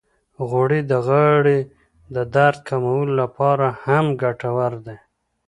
غوړې د غاړې د درد کمولو لپاره هم ګټورې دي.